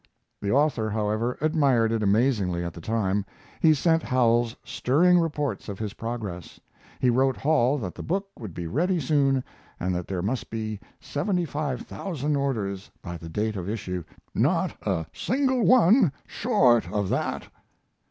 The author, however, admired it amazingly at the time. He sent Howells stirring reports of his progress. He wrote Hall that the book would be ready soon and that there must be seventy five thousand orders by the date of issue, "not a single one short of that."